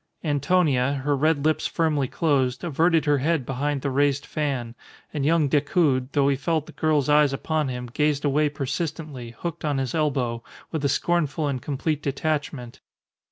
Antonia, her red lips firmly closed, averted her head behind the raised fan; and young Decoud, though he felt the girl's eyes upon him, gazed away persistently, hooked on his elbow, with a scornful and complete detachment.